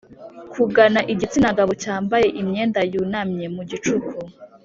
kugana igitsina gabo cyambaye imyenda yunamye, mu gicuku